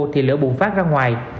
thì lửa bùng phát ra ngoài